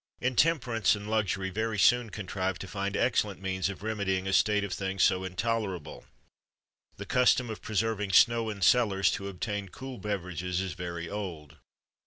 Intemperance and luxury very soon contrived to find excellent means of remedying a state of things so intolerable. The custom of preserving snow in cellars, to obtain cool beverages, is very old.